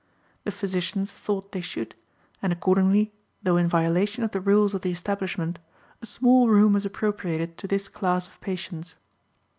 The physicians thought they should, and accordingly, though in violation of the rules of the establishment, a small room was appropriated to this class of patients.